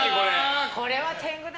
これは天狗だ。